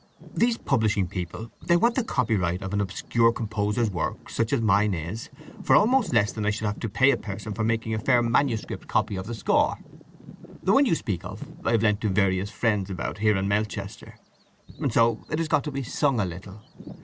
These publishing people—they want the copyright of an obscure composer's work, such as mine is, for almost less than I should have to pay a person for making a fair manuscript copy of the score. The one you speak of I have lent to various friends about here and Melchester, and so it has got to be sung a little.